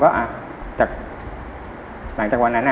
ว่าหลังจากวันนั้น